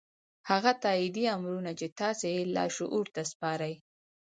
هغه تايیدي امرونه چې تاسې یې لاشعور ته سپارئ